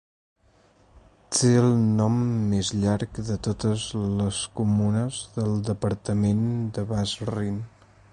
Té el nom més llarg de totes les comunes del departament de Bas-Rhin.